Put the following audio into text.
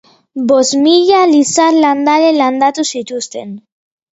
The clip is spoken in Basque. Bost mila lizar landare landatu zituzten.